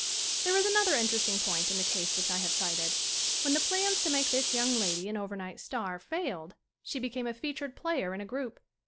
There is another interesting point in the case which I have cited. When the plans to make this young lady an over night star failed she became a featured player in a group.